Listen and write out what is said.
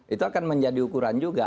itu akan menjadi ukuran juga